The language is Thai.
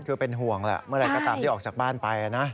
คือเป็นห่วงแหละเมื่อไหร่ก็ตามที่ออกจากบ้านไปนะ